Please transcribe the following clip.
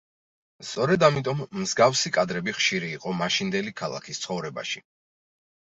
სწორედ ამიტომ მსგავსი კადრები ხშირი იყო მაშინდელი ქალაქის ცხოვრებაში.